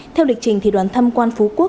theo lịch trình thì đoàn thăm quan phú quốc